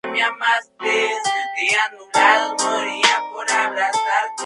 Fue la segunda y última prueba nuclear de la operación Ivy.